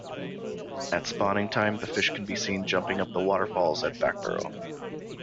At spawning time the fish can be seen jumping up the waterfalls at Backbarrow.